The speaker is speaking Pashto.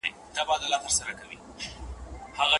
د زلفو تار يې د سپين مخ پر دايره راڅرخی